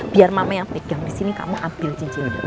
biar mama yang pegang disini kamu ambil cincinnya